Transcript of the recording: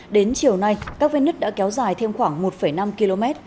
đến chiều nay các vết nứt đã kéo dài thêm khoảng một năm km